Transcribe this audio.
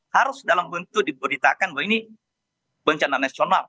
harus dalam bentuk diberitakan bahwa ini bencana nasional